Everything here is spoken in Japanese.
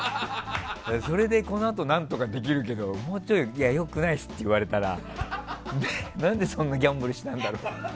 それでこのあと何とかできるけど良くないって言われたら何でそんなギャンブルしたんだろう。